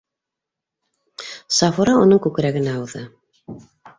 Сафура уның күкрәгенә ауҙы.